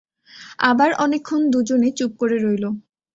আবার অনেকক্ষণ দুজনে চুপ করে রইল।